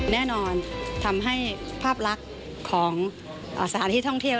แน่นอนทำให้ภาพลักษณ์ของสถานที่ท่องเที่ยว